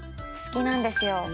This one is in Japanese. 好きなんですよ。